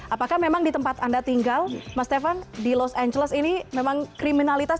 apakah memang di tempat anda tinggal mastefan di los angeles ini memang kriminalitas